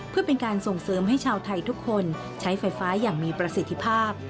เพื่อเติมให้ชาวไทยทุกคนใช้ไฟฟ้าอย่างมีประสิทธิภาพ